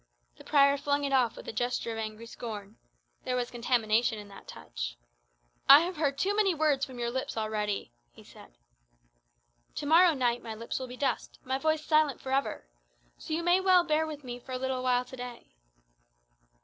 The prior flung it off with a gesture of angry scorn. There was contamination in that touch. "I have heard too many words from your lips already," he said. "To morrow night my lips will be dust, my voice silent for ever. So you may well bear with me for a little while to day."